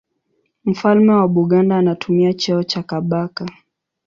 Mfalme wa Buganda anatumia cheo cha Kabaka.